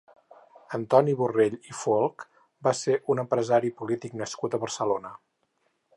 Antoni Borrell i Folch va ser un empresari i polític nascut a Barcelona.